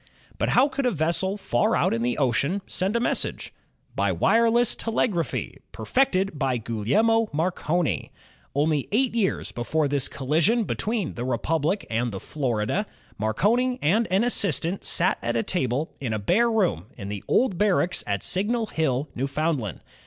But how could a vessel far out in the ocean send a message? By wireless telegraphy, perfected by Gugliehno Marconi. Only eight years before this collision between the Republic and the Florida, Marconi and an assistant sat at a table in a bare room in the Old Barracks at Signal Hill, Newfoundland.